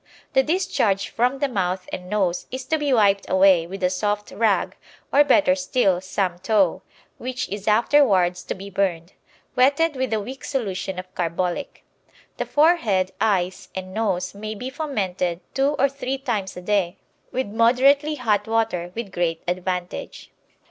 The discharge from the mouth and nose is to be wiped away with a soft rag or, better still, some tow, which is afterwards to be burned wetted with a weak solution of carbolic. The forehead, eyes, and nose may be fomented two or three times a day with moderately hot water with great advantage.